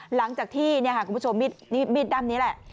หลังจากที่คุณผู้ชมมีดด้ำนี้แหละ